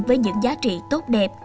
với những giá trị tốt đẹp